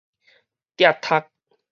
摘讀